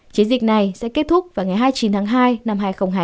chiến dịch này sẽ kết thúc vào ngày hai mươi chín tháng hai năm hai nghìn hai mươi